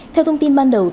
theo thông tin ban đầu